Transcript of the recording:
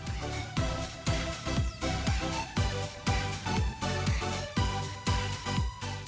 lombok pulau lombok